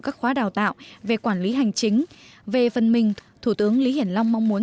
các khóa đào tạo về quản lý hành chính về phần mình thủ tướng lý hiển long mong muốn